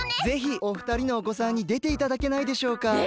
ぜひお二人のおこさんにでていただけないでしょうか？